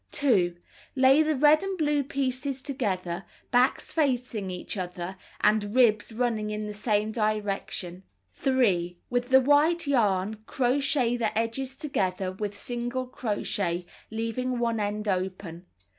2. Lay the red and blue pieces together, backs facing each other and "ribs" running in the same direction. 3. With the white yam, crochet the edges together with /| single crochet, leaving one end open.